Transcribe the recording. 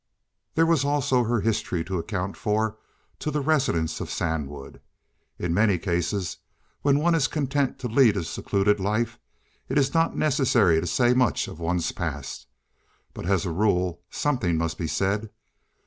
There was also her history to account for to the residents of Sandwood. In many cases where one is content to lead a secluded life it is not necessary to say much of one's past, but as a rule something must be said.